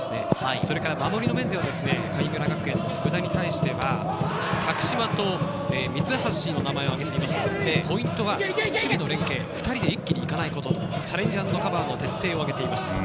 それから守りの面では神村学園・福田に対して、多久島と三橋の名前を挙げていて、ポイントは守備の連係２人で一気にいかないこと、チャレンジアンドカバーの徹底をあげています。